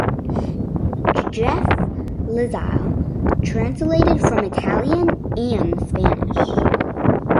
Jeff Lisle translated from Italian and Spanish.